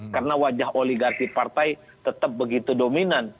karena wajah oligarki partai tetap begitu dominan